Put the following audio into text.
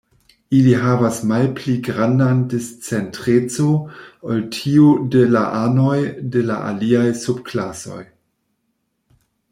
Ili havas malpli grandan discentreco ol tiu de la anoj de la aliaj sub-klasoj.